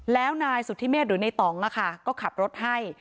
แล้วนายสุธิเมฆหรือในต่องก็ขับรถให้